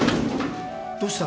どうした？